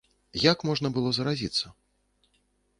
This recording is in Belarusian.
Як можна было заразіцца?